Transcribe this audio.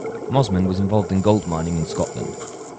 Mosman was involved in gold mining in Scotland.